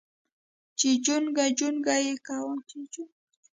چې چونگ چونگ يې کاوه.